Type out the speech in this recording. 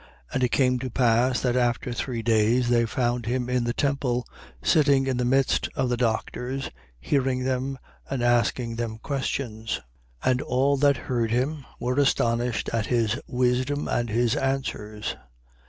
2:46. And it came to pass, that, after three days, they found him in the temple, sitting in the midst of the doctors, hearing them and asking them questions. 2:47. And all that heard him were astonished at his wisdom and his answers.